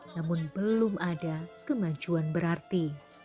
namun belum ada kemajuan berarti